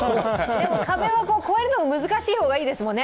でも、壁を越えるのは難しい方がいいですもんね。